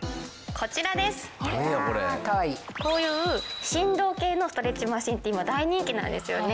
こういう振動系のストレッチマシンって今大人気なんですよね。